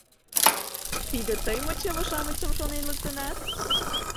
— Тиде тый мо чыве-шамычшым шонен луктынат?